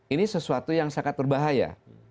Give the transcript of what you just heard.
ini sesuatu yang sangat berbahaya